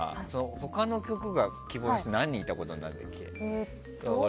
他の局が希望の人何人いたことになるんだっけ。